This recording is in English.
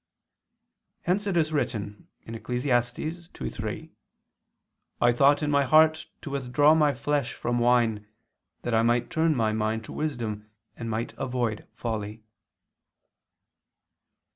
Hence it is written (Eccles. 2:3): "I thought in my heart to withdraw my flesh from wine, that I might turn my mind to wisdom and might avoid folly."